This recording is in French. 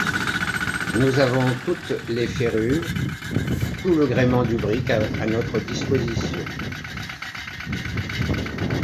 Nous avons toutes les ferrures, tout le gréement du brick à notre disposition!